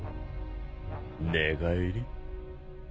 寝返り？